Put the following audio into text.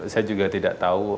saya juga tidak tahu